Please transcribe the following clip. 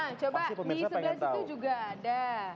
nah coba di sebelah situ juga ada